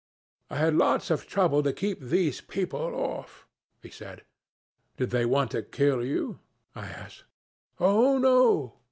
'I had lots of trouble to keep these people off,' he said. 'Did they want to kill you?' I asked. 'Oh no!'